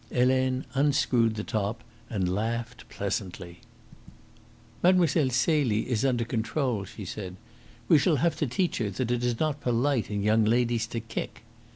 Helene unscrewed the top and laughed pleasantly. "Mlle. Celie is under control," she said. "We shall have to teach her that it is not polite in young ladies to kick."